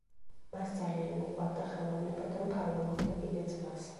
მას ძალიან უყვარდა ხელოვნება და მფარველობდა კიდეც მას.